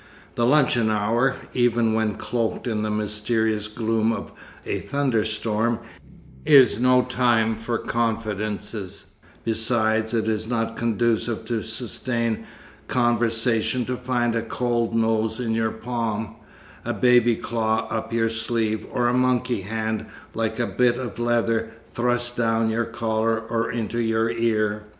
The luncheon hour, even when cloaked in the mysterious gloom of a thunderstorm, is no time for confidences; besides, it is not conducive to sustained conversation to find a cold nose in your palm, a baby claw up your sleeve, or a monkey hand, like a bit of leather, thrust down your collar or into your ear.